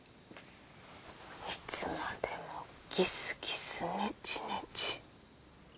いつまでもギスギスネチネチ。